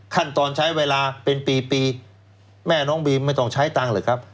ขั้นตอนใช้เวลาเป็นปีปีแม่น้องบีมไม่ต้องใช้ตังค์เลยครับ